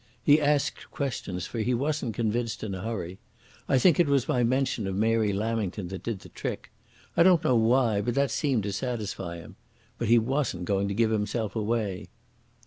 He asked questions, for he wasn't convinced in a hurry. I think it was my mention of Mary Lamington that did the trick. I don't know why, but that seemed to satisfy him. But he wasn't going to give himself away.